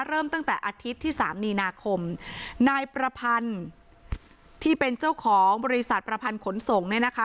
เริ่มตั้งแต่อาทิตย์ที่สามมีนาคมนายประพันธ์ที่เป็นเจ้าของบริษัทประพันธ์ขนส่งเนี่ยนะคะ